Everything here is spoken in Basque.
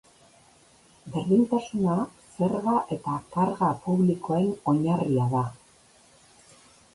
Berdintasuna, zerga eta karga publikoen oinarria da.